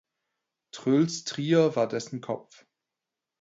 Troels Trier war dessen Kopf.